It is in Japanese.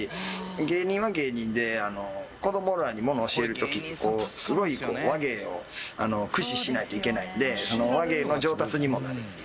芸人は芸人で子どもらにものを教える時ってこうすごい話芸を駆使しないといけないんで話芸の上達にもなります。